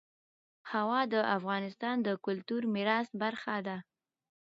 هوا د افغانستان د کلتوري میراث برخه ده.